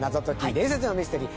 伝説のミステリー』